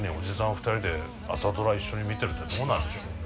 ２人で「朝ドラ」一緒に見てるってどうなんでしょうね。